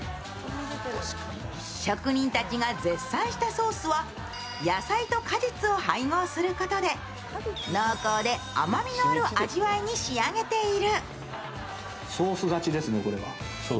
職人たちが絶賛したソースは野菜と果実を配合することで濃厚で甘みある味わいに仕上げている。